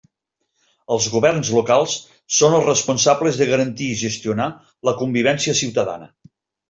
Els governs locals són els responsables de garantir i gestionar la convivència ciutadana.